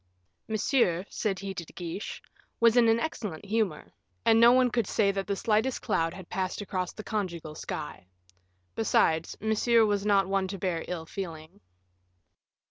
"Monsieur," said he to De Guiche, "was in an excellent humor, and no none could say that the slightest cloud had passed across the conjugal sky. Besides, Monsieur was not one to bear ill feeling."